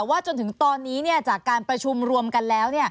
จนถึงตอนนี้จากการประชุมรวมกันแล้ว